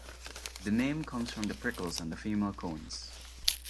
The name comes from the prickles on the female cones.